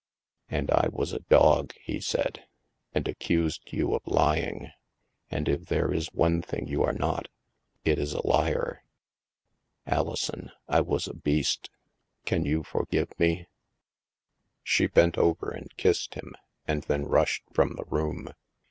" And I was a dog," he said, " and accused you of lying. And if there is one thing you are not, it is a liar. Alison, I was a beast. Can you for give me?" She bent over and kissed him and then rushed from the room.